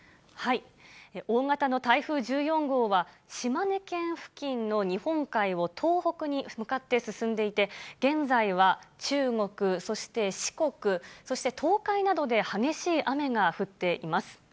大型の台風１４号は、島根県付近の日本海を東北に向かって進んでいて、現在は中国、そして四国、そして東海などで激しい雨が降っています。